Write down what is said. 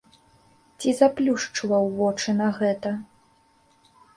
Ці заплюшчваў вочы на гэта?